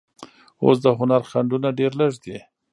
اوس د هنر خنډونه ډېر لږ دي.